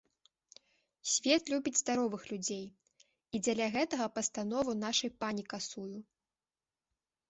Свет любіць здаровых людзей, і дзеля гэтага пастанову нашай пані касую.